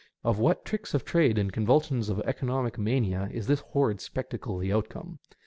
Of what tricks of trade and convulsions of economic mania is this horrid spectacle the outcome?